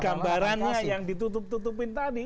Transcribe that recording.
gambarannya yang ditutup tutupin tadi